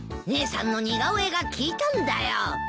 姉さんの似顔絵が効いたんだよ。